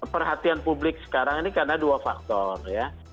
perhatian publik sekarang ini karena dua faktor ya